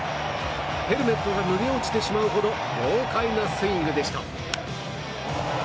ヘルメットが脱げ落ちてしまうほど豪快なスイングでした。